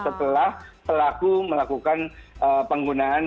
setelah pelaku melakukan penggunaan